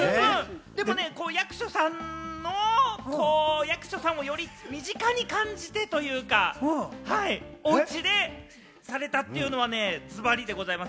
でもね、役所さんの役所さんをより身近に感じてというか、おうちでされたっていうのはズバリでございます。